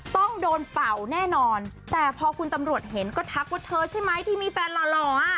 ต้องโดนเป่าแน่นอนแต่พอคุณตำรวจเห็นก็ทักว่าเธอใช่ไหมที่มีแฟนหล่อหล่อ